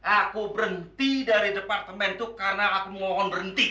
aku berhenti dari departemen itu karena aku memohon berhenti